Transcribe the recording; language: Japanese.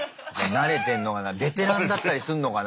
慣れてんのかなベテランだったりすんのかな。